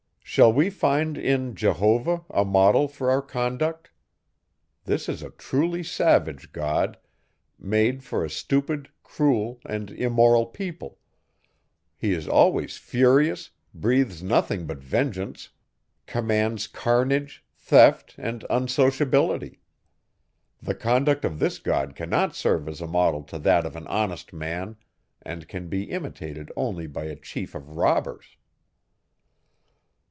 Shall we find in Jehovah a model for our conduct? This is a truly savage god, made for a stupid, cruel, and immoral people; he is always furious, breathes nothing but vengeance, commands carnage, theft, and unsociability. The conduct of this god cannot serve as a model to that of an honest man, and can be imitated only by a chief of robbers.